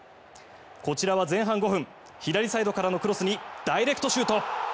こちらは前半５分左サイドからのクロスにダイレクトシュート。